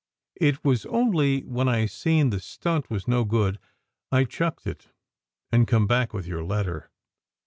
It was only when I seen the stunt was no good I chucked it and come back with your letter.